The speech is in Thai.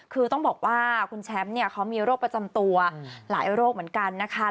คือต้องบอกว่าคุณแชมป์เนี่ยเขามีโรคประจำตัวหลายโรคเหมือนกันนะคะ